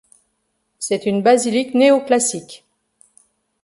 C'est une basilique néoclassique.